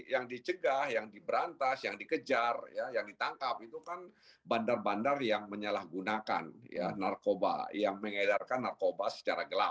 yang dicegah yang diberantas yang dikejar yang ditangkap itu kan bandar bandar yang menyalahgunakan narkoba yang mengedarkan narkoba secara gelap